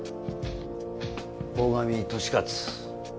鴻上利勝。